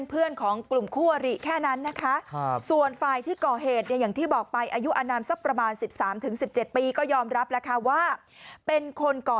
เออแล้วคนที่บาดเจ็บ